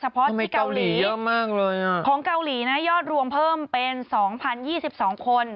เพราะที่เกาหลีเยอะมากเลยอ่ะของเกาหลีนะยอดรวมเพิ่มเป็น๒๐๒๒คน